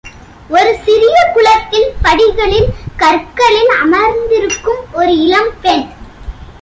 ஒரு சிறிய குளத்தில் படிகளில் கற்களில் அமர்ந்திருக்கும் ஒரு இளம் பெண்.